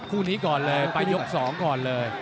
คู่นี้ก่อนเลยไปยก๒ก่อนเลย